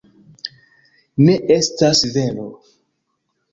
Ne, estas vero.